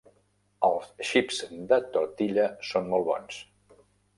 Els xips de tortilla són molt bons.